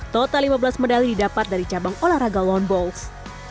total lima belas medali didapat dari cabang olahraga lone box